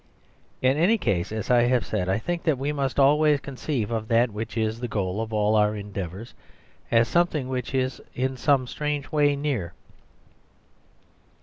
In any case, as I have said, I think that we must always conceive of that which is the goal of all our endeavours as something which is in some strange way near.